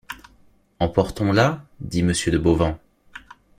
Emportons-là?... dit monsieur de Bauvan.